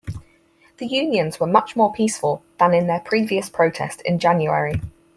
The unions were much more peaceful than in their previous protest in January.